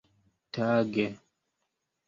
tage